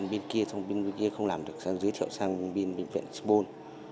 bên kia không làm được giới thiệu sang bệnh viện spoon